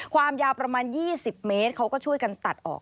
ความยาวประมาณ๒๐เมตรเขาก็ช่วยกันตัดออก